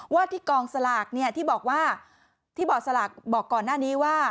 ว่าที่กองสลากเนี่ยที่บอกว่าที่บ่อสลากบอกก่อนหน้านี้ว่า